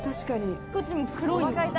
こっちも黒いのが。